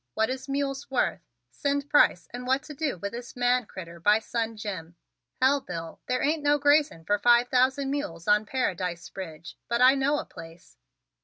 What is mules worth? Send price and what to do with this man critter by son Jim. Hell, Bill, they ain't no grazing fer five thousand mules on Paradise Ridge, but I know a place.